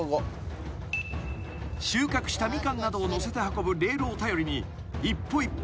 ［収穫したミカンなどを載せて運ぶレールを頼りに一歩